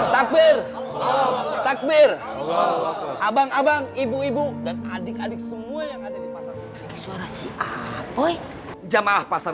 takbir takbir abang abang ibu ibu dan adik adik semua yang ada di pasar jamaah pasar